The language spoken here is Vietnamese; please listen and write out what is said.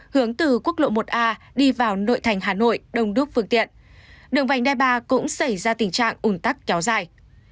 hướng từ quốc lộ một a đi vào nội thành hà nội đông đúc phương tiện đường vành đai ba cũng xảy ra tình trạng ủn tắc kéo dài